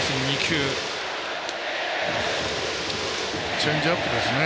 チェンジアップですね